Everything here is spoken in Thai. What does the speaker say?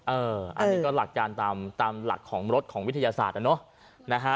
อันนี้ก็หลักการตามหลักของรถของวิทยาศาสตร์นะเนอะนะฮะ